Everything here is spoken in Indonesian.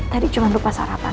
tadi cuma lupa sarapan